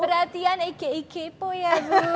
perhatian aka kepo ya